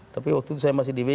tapi waktu itu saya masih di b